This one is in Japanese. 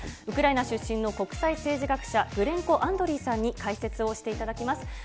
ウクライナ出身の国際政治学者、グレンコ・アンドリーさんに解説をしていただきます。